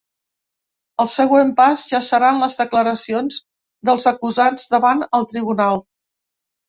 El següent pas ja seran les declaracions dels acusats davant el tribunal.